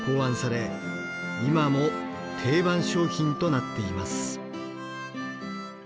今も定番商品となっています。